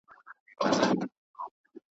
نه له ویري سوای له غاره راوتلای .